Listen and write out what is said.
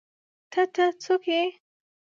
_ته، ته، څوک يې؟